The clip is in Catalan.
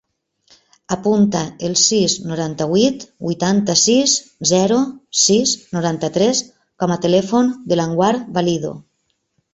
Apunta el sis, noranta-vuit, vuitanta-sis, zero, sis, noranta-tres com a telèfon de l'Anwar Valido.